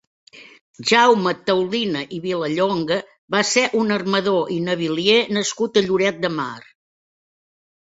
Jaume Taulina i Vilallonga va ser un armador i navilier nascut a Lloret de Mar.